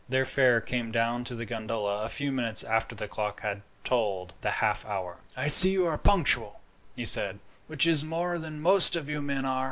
Their fare came down to the gondola a few minutes after the clock had tolled the half hour. "I see you are punctual," he said, "which is more than most of you men are."